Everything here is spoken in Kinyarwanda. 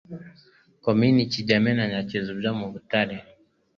Komini Kigembe na Nyakizu byo muri Butare)